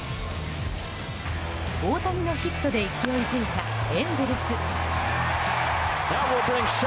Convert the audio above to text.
大谷のヒットで勢いづいたエンゼルス。